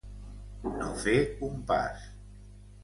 No fer un pas.